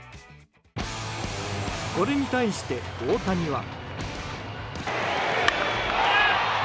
これに対して大谷は。